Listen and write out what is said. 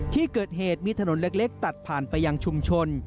ที่เกิดเหตุมีถนนเล็กตัดผ่านไปยังชุมชน